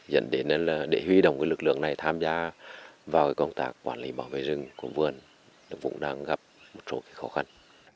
dẫn đến là để huy động lực lượng này tham gia vào công tác quản lý bảo vệ rừng của vườn cũng đang gặp một số khó khăn